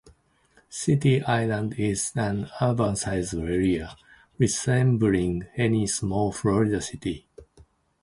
City Island is an urbanized area, resembling any small Florida city.